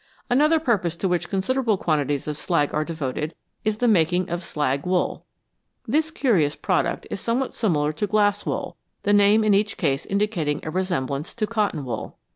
Another purpose to which considerable quantities of slag are devoted is the making of " slag wool." This curious product is somewhat similar to "glass wool," the name in each case indicating a resemblance to cotton wool.